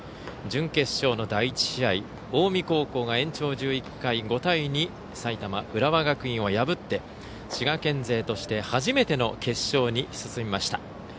準決勝の第１試合近江高校が延長１１回、５対２埼玉、浦和学院を破って滋賀県勢として初めての決勝に進みました。